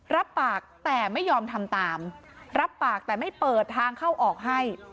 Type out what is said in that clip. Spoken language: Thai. รับปากแต่ไม่ยอมทำตามรับปากแต่ไม่เปิดทางเข้าออกให้